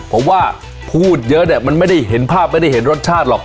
ผมว่ามันไม่ได้เห็นผ้าและรสชาติ